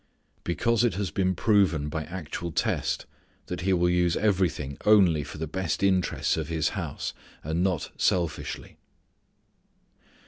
Because it has been proven by actual test that he will use everything only for the best interests of his house, and not selfishly.